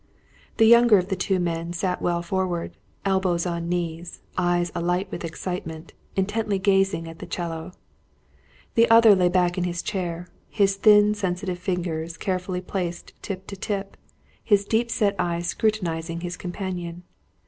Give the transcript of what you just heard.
The younger of the two men sat well forward, elbows on knees, eyes alight with excitement, intently gazing at the 'cello. The other lay back in his chair, his thin sensitive fingers carefully placed tip to tip, his deep set eyes scrutinising his companion.